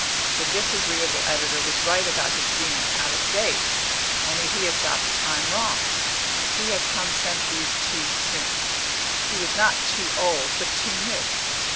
The disagreeable editor was right about his being out of date, only he had got the time wrong. He had come centuries too soon; he was not too old, but too new.